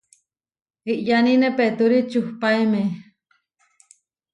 Iʼyánine peetúri čuhpaéme.